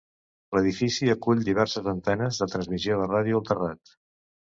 L'edifici acull diverses antenes de transmissió de ràdio al terrat.